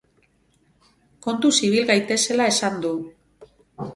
Kontuz ibil gaitezela esan du.